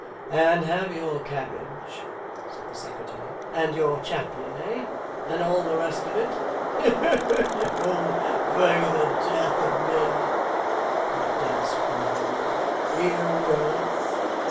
'And have your carriage,' said the secretary; 'and your chaplain, eh? and all the rest of it?' 'You'll be the death of me,' cried Dennis, with another roar, 'you will.